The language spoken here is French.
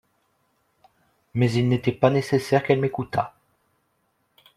Mais il n'était pas nécessaire qu'elle m'écoutat.